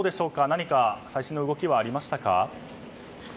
何か最新の動きはありましたか？